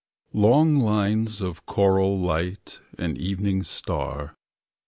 Long lines of coral light And evening star.